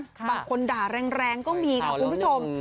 บางคนด่าแรงก็มีค่ะคุณผู้ชม